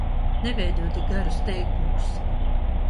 Neveido tik garus teikumus!